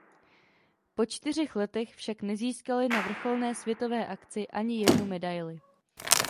Po čtyřech letech však nezískali na vrcholné světové akci ani jednu medaili.